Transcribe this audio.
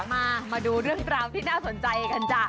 มาดูเรื่องราวที่น่าสนใจกันจ้ะ